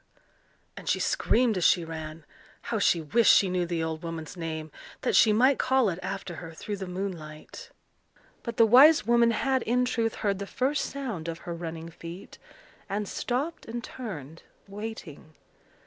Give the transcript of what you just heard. and she screamed as she ran. How she wished she knew the old woman's name, that she might call it after her through the moonlight! But the wise woman had, in truth, heard the first sound of her running feet, and stopped and turned, waiting.